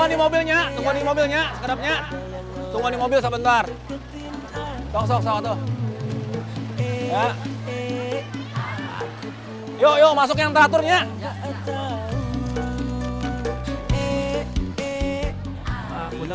ayo yuk masuk yang teraturnya